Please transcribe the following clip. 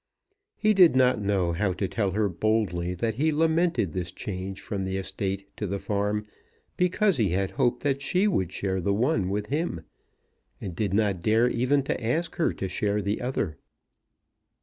He did not know how to tell her boldly that he lamented this change from the estate to the farm because he had hoped that she would share the one with him, and did not dare even to ask her to share the other.